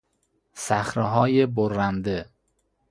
صخرههای برنده